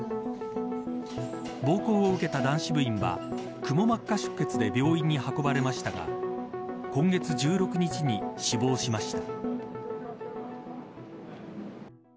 暴行を受けた男子部員はくも膜下出血で病院に運ばれましたが今月１６日に死亡しました。